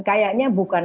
kayaknya bukan hanya